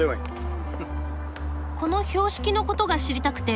この標識のことが知りたくて。